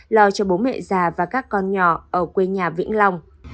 lo cho bố mẹ già và các con nhỏ